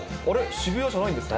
渋谷じゃないんですか？